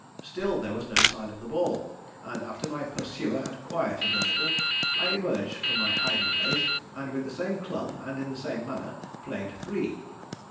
Still there was no sign of the ball, and after my pursuer had quieted a little I emerged from my hiding place and with the same club and in the same manner played three.